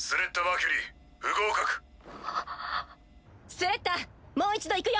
スレッタもう一度いくよ。